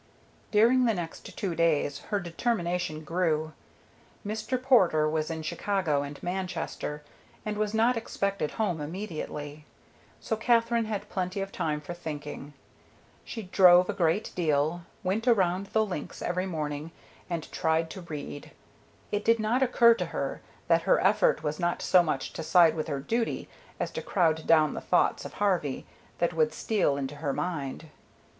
During the next two days her determination grew. Mr. Porter was in Chicago and Manchester, and was not expected home immediately, so Katherine had plenty of time for thinking. She drove a great deal, went around the links every morning, and tried to read. It did not occur to her that her effort was not so much to side with her duty as to crowd down the thoughts of Harvey that would steal into her mind.